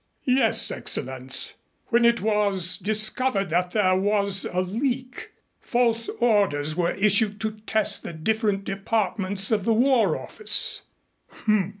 "Yes, Excellenz. When it was discovered that there was a leak, false orders were issued to test the different departments of the War Office."